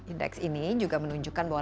indeks ini juga menunjukkan bahwa